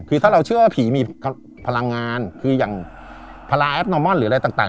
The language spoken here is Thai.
คือถ้าเราเชื่อว่าผีมีพลังงานคืออย่างพลาแอดนอมอนหรืออะไรต่าง